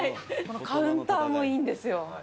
カウンターもいいんですよ。